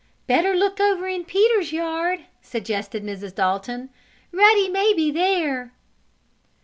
"Better look over in Peter's yard," suggested Mrs. Dalton. "Ruddy may be there."